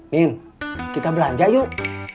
min kita belanja yuk